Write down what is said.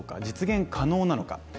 実現可能なのか。